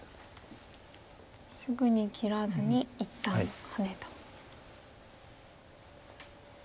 すぐに切らずに一旦ハネと。